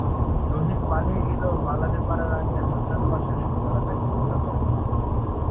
জহির পালিয়ে গেলেও পালাতে পারার আগে হাসান পাশার সৈন্যরা তাকে হত্যা করে।